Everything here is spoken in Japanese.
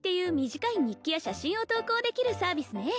短い日記や写真を投稿できるサービスね